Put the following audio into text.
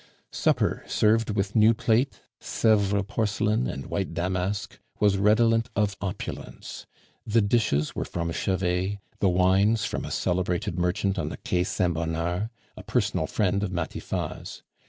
Supper, served with new plate, Sevres porcelain, and white damask, was redolent of opulence. The dishes were from Chevet, the wines from a celebrated merchant on the Quai Saint Bernard, a personal friend of Matifat's.